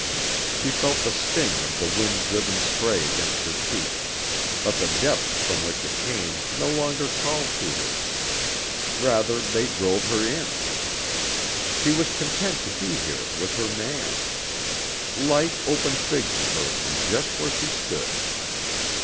She felt the sting of the wind driven spray against her cheek, but the depths from which it came no longer called to her. Rather they drove her in. She was content to be here with her man. Life opened big to her from just where she stood.